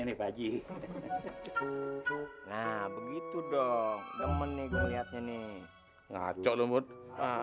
sampai jumpa di video selanjutnya